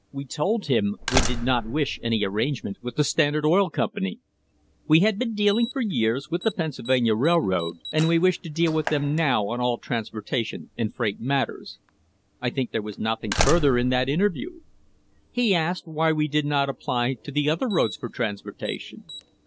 We told him we did not wish any arrangement with the Standard Oil Company; we had been dealing for years with the Pennsylvania Railroad Company, and we wished to deal with them now on all trans portation and freight matters. I think there was nothing further in that interview. "He asked why we did not apply to the other roads for transportation.